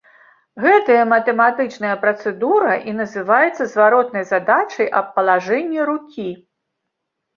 Гэтая матэматычная працэдура і называецца зваротнай задачай аб палажэнні рукі.